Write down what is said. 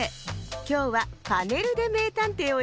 きょうは「パネルでめいたんてい」をやるわよ。